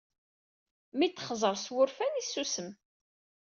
Mi t-texzer s wurfan, isusem.